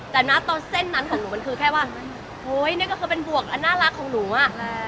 แต่นะตอนเส้นนั้นของหนูมันคือแค่ว่าโอ๊ยนี่ก็คือเป็นบวกอันน่ารักของหนูอ่ะ